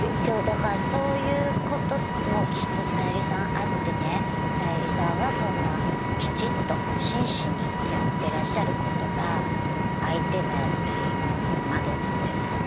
だからそういうこともきっと小百合さんあってね小百合さんはそんなきちっと真摯にやってらっしゃることが相手がやっぱり惑ってましたよ。